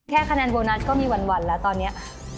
คะแนนโบนัสก็มีวันแล้วตอนนี้